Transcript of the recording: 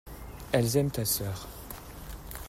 Elles aiment ta sœur.